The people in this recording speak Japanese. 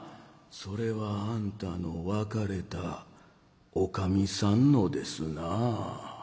「それはあんたの別れたおかみさんのですな」。